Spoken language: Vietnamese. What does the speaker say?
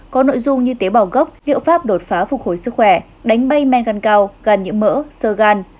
có nội dung như tế bào gốc liệu pháp đột phá phục hồi sức khỏe đánh bay men găng cao găng nhiễm mỡ sơ gan